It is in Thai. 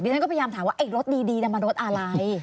ฉันก็พยายามถามว่าไอ้รถดีมารถอะไร